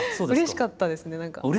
うれしかったですか。